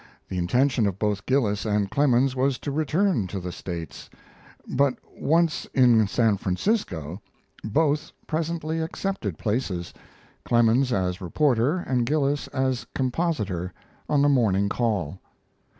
The intention of both Gillis and Clemens was to return to the States; but once in San Francisco both presently accepted places, Clemens as reporter and Gillis as compositor, on the 'Morning Call'.